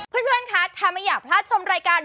คุณพี่ค่ะทำไมอยากจะพัชชมรายการ